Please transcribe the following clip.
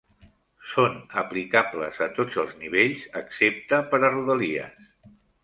Són aplicables a tots els nivells, excepte per a Rodalies.